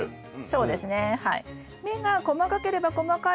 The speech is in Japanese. そうですね。